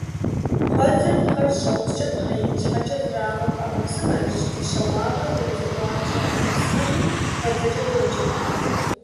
Кхъуэдзэр пхъэр щаупскӀэ мыхъеин щхьэкӀэ зрагъэкъу ӏэмэпсымэщ. Дыщэ уагъэ зэрызэӏуащэ ӏэмэпсымэми кхъуэдзэкӏэ йоджэ.